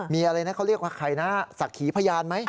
มีอะไรนะเขาเรียกว่าใครนะสักขีพยานไหม